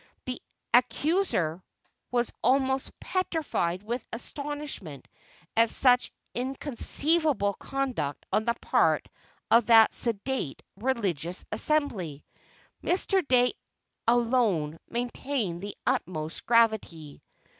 The accuser was almost petrified with astonishment at such inconceivable conduct on the part of that sedate religious assembly. Mr. Dey alone maintained the utmost gravity.